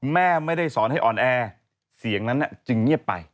แม่ไม่ได้สอนให้อ่อนแอเสียงนั้นจึงเงียบไป